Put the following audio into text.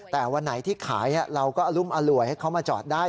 แต่วันไหนที่ขายเราก็อรุมอร่วยให้เขามาจอดได้